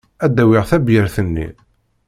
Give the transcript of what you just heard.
Ad d-awiɣ tabyirt-nni.